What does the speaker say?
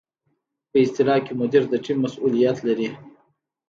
په اصطلاح کې مدیر د ټیم مسؤلیت لري.